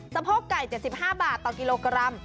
โพกไก่๗๕บาทต่อกิโลกรัม